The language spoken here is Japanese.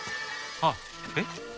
あっえっ？